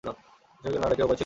শশীকে না ডাকিয়া উপায় ছিল না।